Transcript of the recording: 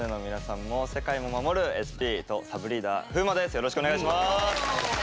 よろしくお願いします。